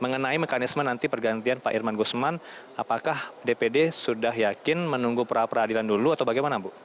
mengenai mekanisme nanti pergantian pak irman gusman apakah dpd sudah yakin menunggu peradilan dulu atau bagaimana bu